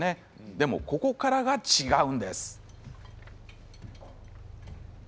でも、ここからが違うんです。